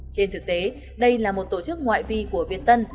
trên thực tế đây là một tổ chức ngoại vi của việt tân